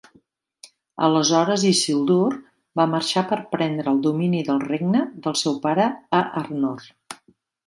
Aleshores Isildur va marxar per prendre el domini del regne del seu pare a Arnor.